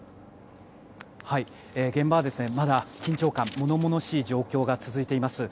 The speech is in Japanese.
現場はまだ緊張感物々しい状況が続いています。